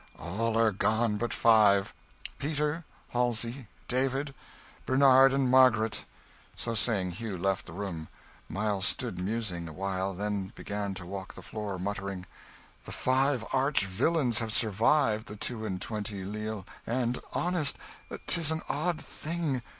"All are gone but five Peter, Halsey, David, Bernard, and Margaret." So saying, Hugh left the room. Miles stood musing a while, then began to walk the floor, muttering "The five arch villains have survived the two and twenty leal and honest 'tis an odd thing."